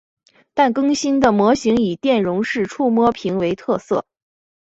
但更新的模型以电容式触摸屏为特色。